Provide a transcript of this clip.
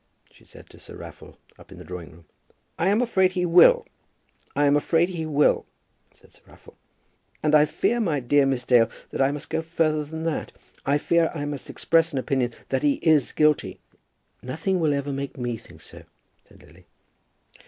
she said to Sir Raffle up in the drawing room. "I am afraid he will; I am afraid he will," said Sir Raffle; "and I fear, my dear Miss Dale, that I must go further than that. I fear I must express an opinion that he is guilty." "Nothing will ever make me think so," said Lily.